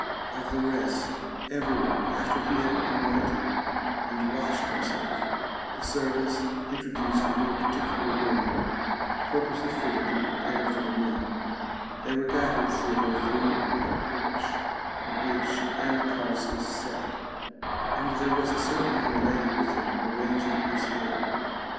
Of the rest every one, after he had anointed and washed himself, the servants introduced into a particular room, purposely fitted and prepared for the men ; they were guided thither through a porch, in which Anacharsis sat, and there was a certain young lady with him arranging his hair.